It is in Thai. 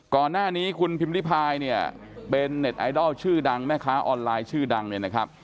ก่อนหน้านี้คุณพิมพิพายเนี่ยเป็นเน็ตไอดอลชื่อดังแม่ค้าออนไลน์ชื่อดังเนี่ยนะครับ